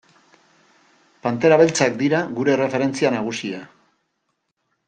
Pantera Beltzak dira gure erreferentzia nagusia.